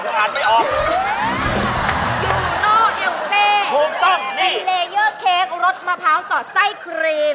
เป็นเลเยอร์เค้กรสมะพร้าวสอดไส้ครีม